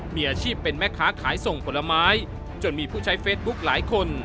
มีอาชีพเป็นแม่ค้าขายส่งผลไม้จนมีผู้ใช้เฟซบุ๊คหลายคน